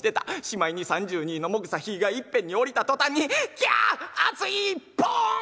しまいに３２のもぐさ火がいっぺんに下りた途端に『ギャ！熱い！』ポン！